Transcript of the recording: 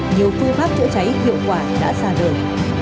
nhiều phương pháp chữa cháy hiệu quả đã ra đời